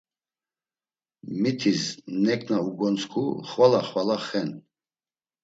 Mitiz neǩna ugontzǩu xvala xvala xen.